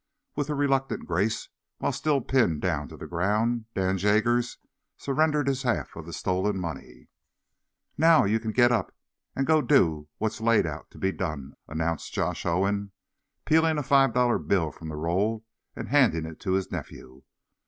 With a reluctant grace, while still pinned down to the ground, Dan Jaggers surrendered his half of the stolen money. "Now, ye can git up, and go do what's laid out to be done," announced Josh Owen, peeling a five dollar bill from the roll and handing it to his nephew.